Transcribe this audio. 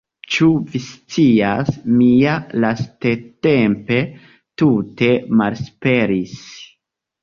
Ĉu vi scias, mi ja lasttempe tute malesperis!